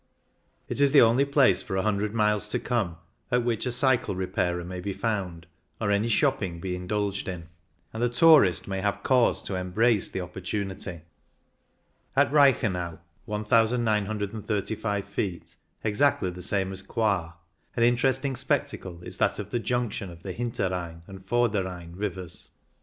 It is the only place for a hundred miles to come at which a cycle repairer may be found or any " shop ping " be indulged in, and the tourist may have cause to embrace the opportunity. At Reichenau (1,935 ft, exactly the same as Coire) an interesting spectacle is that of the junction of the H inter Rhein and Vor der Rhein rivers.